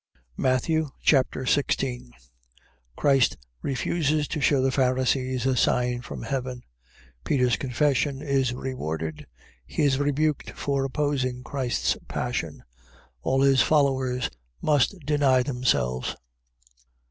Matthew Chapter 16 Christ refuses to shew the Pharisees a sign from heaven. Peter's confession is rewarded. He is rebuked for opposing Christ's passion. All his followers must deny themselves.